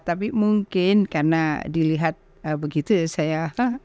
tapi mungkin karena dilihat begitu ya saya